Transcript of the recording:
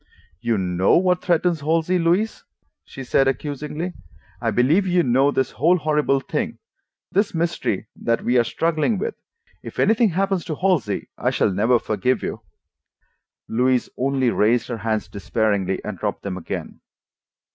"You KNOW what threatens Halsey, Louise," she said accusingly. "I believe you know this whole horrible thing, this mystery that we are struggling with. If anything happens to Halsey, I shall never forgive you." Louise only raised her hands despairingly and dropped them again.